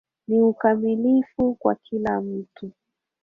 Ni ukamilifu kwa kila mtu.